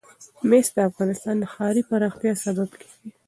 مس د افغانستان د ښاري پراختیا سبب کېږي.